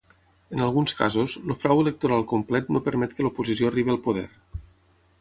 En alguns casos, el frau electoral complet no permet que l'oposició arribi al poder.